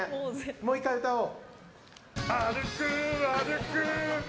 もう１回歌おう。